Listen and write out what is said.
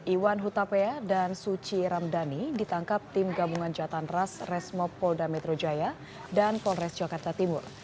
iwan hutapea dan suci ramdhani ditangkap tim gabungan jatan ras resmo polda metro jaya dan polres jakarta timur